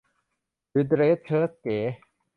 หรือเดรสเชิ้ตเก๋